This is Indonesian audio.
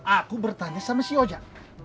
aku bertanya sama si ojang